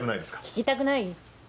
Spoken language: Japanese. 聞きたくない。